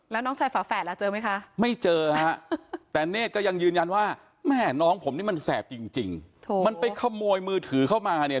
แล้วน้องชายฝาแฝดล่ะเจอไหมคะไม่เจอฮะแต่เนธก็ยังยืนยันว่าแม่น้องผมนี่มันแสบจริงมันไปขโมยมือถือเข้ามาเนี่ย